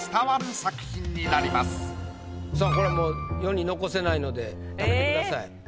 さあこれはもう世に残せないので食べてください。